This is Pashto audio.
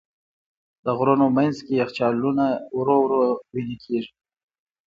د غرونو منځ کې یخچالونه ورو ورو وېلې کېږي.